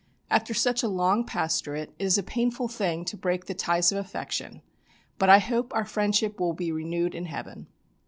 "After such a long pastorate it is a painful thing to break the ties of affection, but I hope our friendship will be renewed in Heaven."